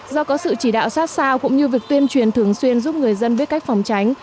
do có sự chỉ đạo sát sao cũng như việc tuyên truyền thường xuyên giúp người dân biết cách phòng tránh